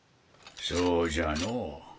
そうじゃのう。